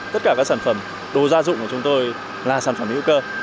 tất cả các sản phẩm đồ gia dụng của chúng tôi là sản phẩm hữu cơ